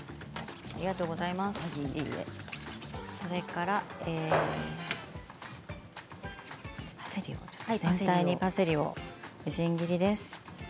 それから全体にちょっとパセリのみじん切りです。